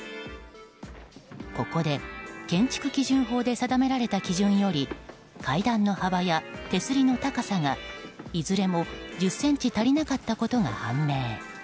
ここで建築基準法で定められた基準より階段の幅や手すりの高さがいずれも１０ｃｍ足りなかったことが判明。